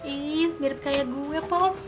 ih mirip kayak gue paul